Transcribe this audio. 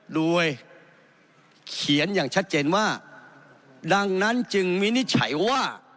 โดยเขียนอย่างชัดเจนว่าดังนั้นจึงวินิจฉัยว่า